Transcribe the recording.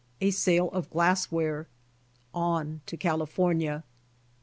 — A SALE OF GLASSWARE. — ON TO CAIJP^ORNIA.